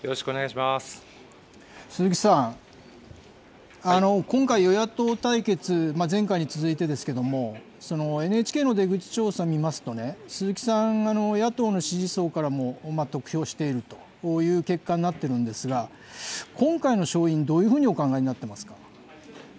鈴木さん、今回、与野党対決、前回に続いてですけれども、ＮＨＫの出口調査見ますとね、鈴木さん、野党の支持層からも得票しているという結果になっているんですが、今回の勝因、どういうふうにお考えになっていますか。